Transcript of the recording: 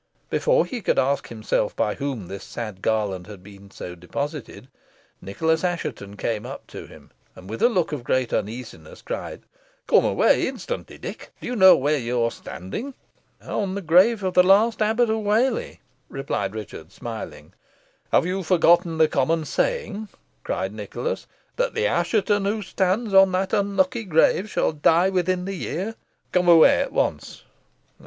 Before he could ask himself by whom this sad garland had been so deposited, Nicholas Assheton came up to him, and with a look of great uneasiness cried, "Come away instantly, Dick. Do you know where you are standing?" "On the grave of the last Abbot of Whalley," replied Richard, smiling. "Have you forgotten the common saying," cried Nicholas "that the Assheton who stands on that unlucky grave shall die within the year? Come away at once."